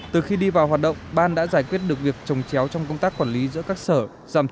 từ khi đi vào hoạt động ban đã giải quyết được việc trồng chéo trong công tác quản lý giữa các sở